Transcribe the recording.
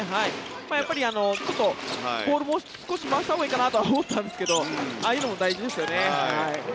やっぱりちょっとボールをもう少し回したほうがいいかなとは思いましたがああいうのも大事ですよね。